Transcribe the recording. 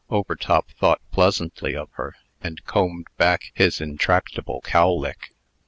Overtop thought pleasantly of her, and combed back his intractable cowlick.